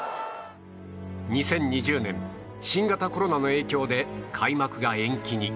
２０２０年、新型コロナの影響で開幕が延期に。